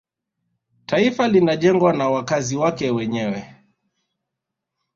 taifa linajengwa na wakazi wake wenyewe